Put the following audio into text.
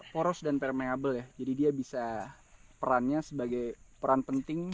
poros dan permable ya jadi dia bisa perannya sebagai peran penting